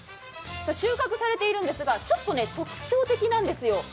収穫されているんですが、ちょっと特徴的なんですよ。